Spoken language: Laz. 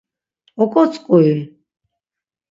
Oǩotzqui?